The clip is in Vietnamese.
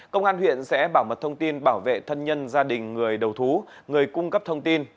công an huyện sẽ bảo mật thông tin bảo vệ thân nhân gia đình người đầu thú người cung cấp thông tin